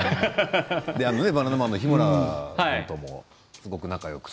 バナナマンの日村さんとも仲がよく。